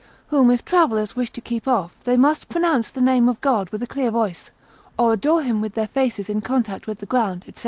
(whom if travellers wish to keep off they must pronounce the name of God with a clear voice, or adore him with their faces in contact with the ground, &c.)